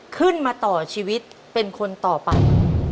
ขึ้นมาต่อชีวิตเป็นคนต่อไป